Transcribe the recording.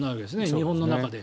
日本の中で。